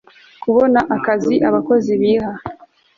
kubona akazi abakozi biha